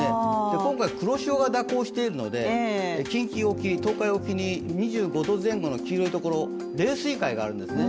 今回、黒潮が蛇行しているので、近畿沖、東海沖に２５度前後の黄色いところ、冷水塊があるんですね。